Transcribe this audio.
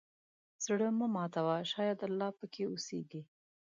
زړه مه ماتوه، شاید الله پکې اوسېږي.